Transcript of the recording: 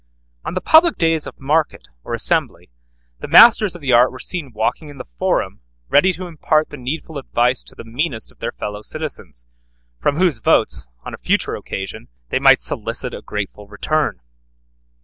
On the public days of market or assembly, the masters of the art were seen walking in the forum ready to impart the needful advice to the meanest of their fellow citizens, from whose votes, on a future occasion, they might solicit a grateful return.